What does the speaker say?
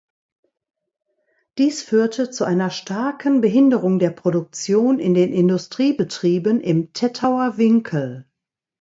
Dies führte zu einer starken Behinderung der Produktion in den Industriebetrieben im Tettauer Winkel.